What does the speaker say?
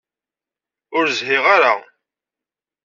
Ur shiɣ ara.